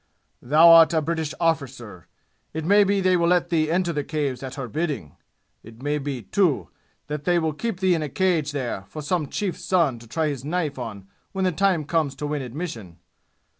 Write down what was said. Thou art a British arrficer. It may be they will let thee enter the Caves at her bidding. It may be, too, that they will keep thee in a cage there for some chief's son to try his knife on when the time comes to win admission!